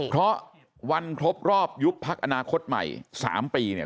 เพราะวันครบรอบยุบพักอนาคตใหม่๓ปีเนี่ย